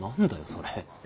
それ。